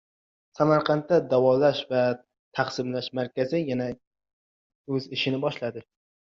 Samarqanddagi davolash va taqsimlash markazi yana ish boshladi